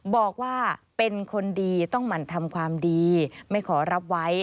บอกว่าเป็นคนดีต้องหมั่นทำความดีไม่ขอรับไว้